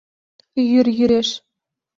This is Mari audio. Йӱр йӱреш.